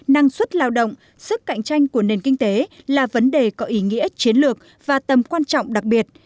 năng suất lao động sức cạnh tranh của nền kinh tế là vấn đề có ý nghĩa chiến lược và tầm quan trọng đặc biệt